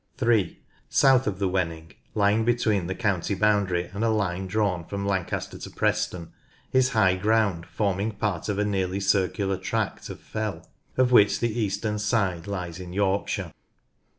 (3) South of the Wenning, lying between the count}' boundary and a line drawn from Lancaster to Preston, is high ground forming part of a nearly circular tract of fell of which the eastern side lies in Yorkshire.